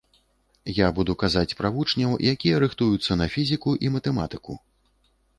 Я буду казаць пра вучняў, якія рыхтуюцца на фізіку і матэматыку.